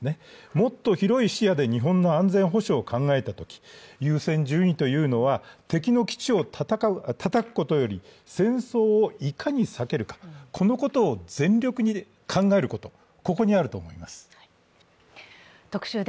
もっと広い視野で日本の安全保障を考えたとき優先順位というのは、敵の基地をたたくことより戦争をいかに避けるか、このことを全力で考えること、ここにあると思います。